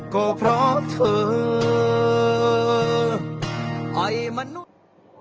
ก็เพราะเธอไอ้มนุษย์